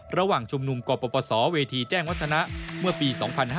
ระหว่างชุมนุมกปศเวทีแจ้งวัฒนะเมื่อปี๒๕๕๙